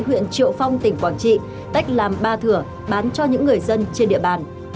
huyện triệu phong tỉnh quảng trị tách làm ba thửa bán cho những người dân trên địa bàn